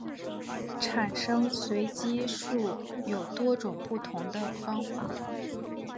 产生随机数有多种不同的方法。